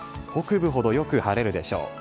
北部ほどよく晴れるでしょう。